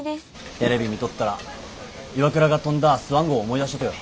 テレビ見とったら岩倉が飛んだスワン号思い出したとよ。